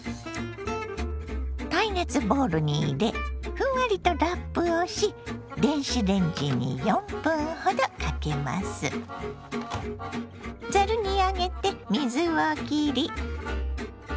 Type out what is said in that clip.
耐熱ボウルに入れふんわりとラップをし電子レンジにざるに上げて水をきり。